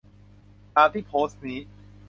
ตามที่โพสต์นี้